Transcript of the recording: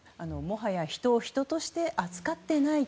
もはや人を人として扱っていない。